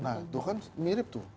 nah itu kan mirip tuh